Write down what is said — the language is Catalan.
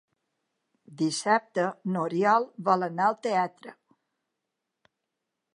Dissabte n'Oriol vol anar al teatre.